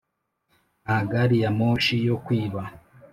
nta gari ya moshi yo kwiba? '